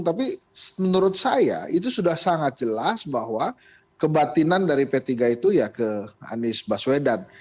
tapi menurut saya itu sudah sangat jelas bahwa kebatinan dari p tiga itu ya ke anies baswedan